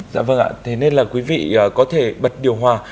dạ vâng ạ thế nên là quý vị có thể bật điều hòa